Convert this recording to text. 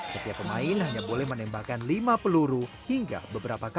setiap pemain hanya boleh menembakkan lima peluru hingga beberapa kaki